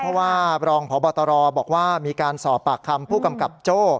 เพราะว่ารองพบตรบอกว่ามีการสอบปากคำผู้กำกับโจ้